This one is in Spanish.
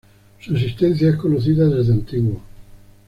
Su existencia es conocida desde antiguo.